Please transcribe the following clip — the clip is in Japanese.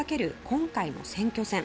今回の選挙戦。